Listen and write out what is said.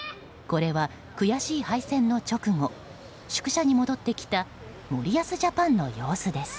これは悔しい敗戦の直後宿舎に戻ってきた森保ジャパンの様子です。